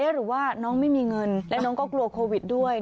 หรือว่าน้องไม่มีเงินและน้องก็กลัวโควิดด้วย